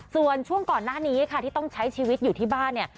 ส่วนช่วงก่อนหน้านี้ค่ะที่ต้องใช้ชีวิตอยู่ที่บ้านเนี่ย